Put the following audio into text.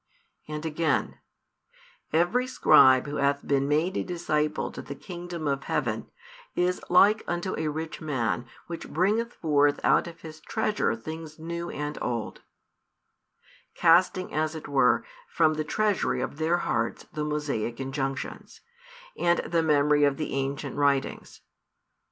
And again: Every scribe who hath been made a disciple to the kingdom of heaven, is like unto a rich man which bringeth forth out of his treasure things new and old; casting, as it were, from the treasury of their hearts the Mosaic injunctions, and the memory of the ancient |393 writings.